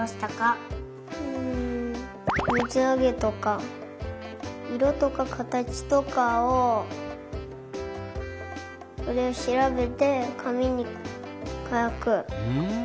みずあげとかいろとかかたちとかをしらべてかみにかく。